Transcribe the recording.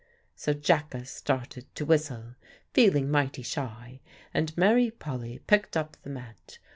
So Jacka started to whistle, feeling mighty shy, and Mary Polly picked up the mat.